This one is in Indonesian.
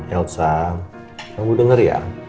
elsa kamu denger ya